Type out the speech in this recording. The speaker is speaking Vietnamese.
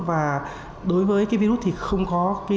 và đối với virus thì không có